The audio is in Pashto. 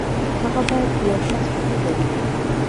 هغه باید د یوه شخص په توګه وي.